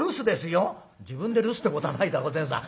「自分で留守ってことはないだろ善さん。